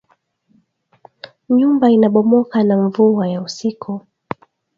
Nyumba ina bomoka na nvula ya busiku